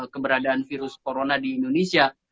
keberadaan virus corona di indonesia